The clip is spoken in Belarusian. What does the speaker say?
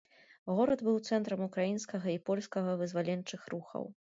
Горад быў цэнтрам украінскага і польскага вызваленчых рухаў.